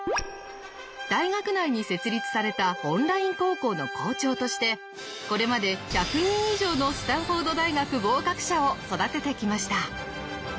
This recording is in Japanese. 大学内に設立されたオンライン高校の校長としてこれまで１００人以上のスタンフォード大学合格者を育ててきました。